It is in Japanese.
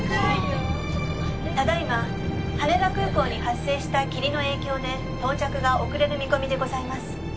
「ただ今羽田空港に発生した霧の影響で到着が遅れる見込みでございます」